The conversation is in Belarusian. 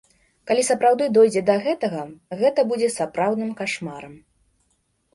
Калі сапраўды дойдзе да гэтага, гэта будзе сапраўдным кашмарам.